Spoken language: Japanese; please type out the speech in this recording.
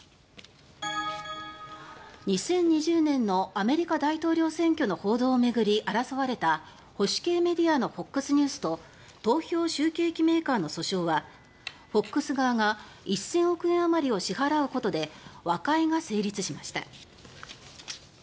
２０２０年のアメリカ大統領選挙の報道を巡り争われた保守系メディアのＦＯＸニュースと投票集計機メーカーの訴訟はＦＯＸ側が１０００億円あまりを支払うことで和解が成立しました。